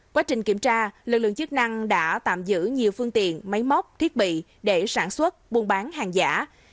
quá trình kiểm tra lực lượng chức năng đã tạm giữ nhiều phương tiện máy móc thiết bị để sản xuất buôn bán hàng giả